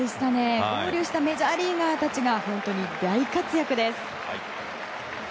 合流したメジャーリーガーたちが大活躍です。